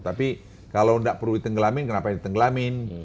tapi kalau nggak perlu ditenggelamin kenapa ditenggelamin